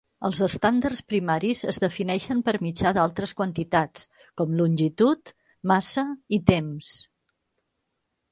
Els estàndards primaris es defineixen per mitjà d'altres quantitats, com longitud, massa i temps.